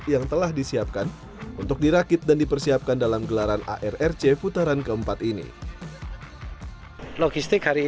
yang telah disiapkan untuk dirakit dan dipersiapkan dalam gelaran arrc putaran keempat ini logistik hari